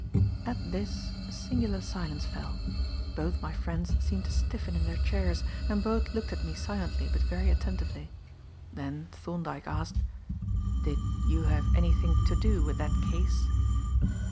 At this a singular silence fell. Both my friends seemed to stiffen in their chairs, and both looked at me silently but very attentively. Then Thorndyke asked, "Did you have anything to do with that case?"